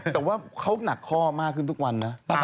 แต่ว่าเขาหนักข้อมากขึ้นทุกวันนะ